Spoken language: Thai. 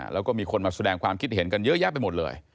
แล้วก็มีคนมาแสดงความคิดเห็นกันเยอะแยะไปหมดเลย